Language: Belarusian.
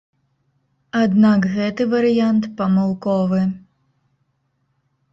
Аднак гэты варыянт памылковы.